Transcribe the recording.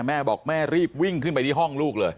แม่บอกแม่รีบวิ่งขึ้นไปที่ห้องลูกเลย